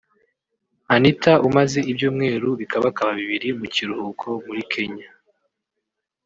Anita umaze ibyumweru bikabakaba bibiri mu kiruhuko muri Kenya